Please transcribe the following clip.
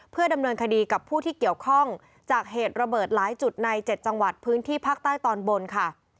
เพื่อดำเนินคดีกับผู้ที่เกี่ยวข้องจากเหตุระเบิดหลายจุดใน๗จังหวัดพื้นที่ภาคใต้ตอนบนค่ะ